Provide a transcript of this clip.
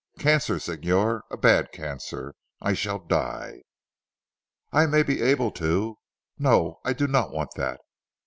Cancer Signor a bad cancer. I shall die." "I may be able to " "No, I do not want that.